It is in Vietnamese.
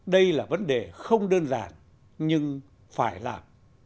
đây là vấn đề không đơn giản nhưng phải làm